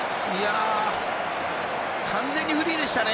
完全にフリーでしたね